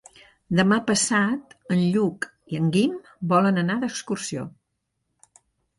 Demà passat en Lluc i en Guim volen anar d'excursió.